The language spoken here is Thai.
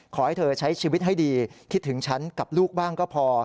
ขอให้เธอใช้ชีวิตให้ดีคิดถึงฉันกับลูกบ้างก็พอ